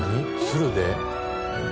鶴で？